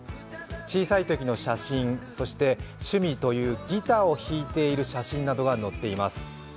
小さいときの写真、趣味というギターをひいている写真などが載っています。